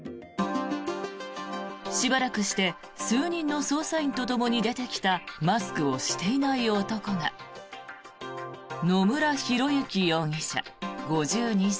しばらくして数人の捜査員とともに出てきたマスクをしていない男が野村広之容疑者、５２歳。